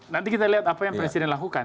nanti kita lihat apa yang presiden lakukan